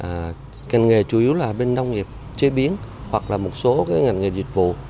các ngành nghề chủ yếu là bên nông nghiệp chế biến hoặc là một số cái ngành nghề dịch vụ